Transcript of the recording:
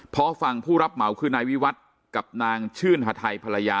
พอฝั่งผู้รับเหมาคือนายวิวัตรกับนางชื่นฮาไทยภรรยา